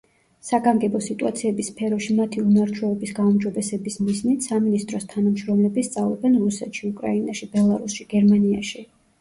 საგანგებო სიტუაციების სფეროში მათი უნარ-ჩვევების გაუმჯობესების მიზნით, სამინისტროს თანამშრომლები სწავლობენ რუსეთში, უკრაინაში, ბელარუსში, გერმანიაში.